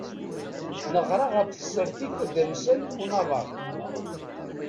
Neɣra ɣef tsertit tadamsant unabaḍ.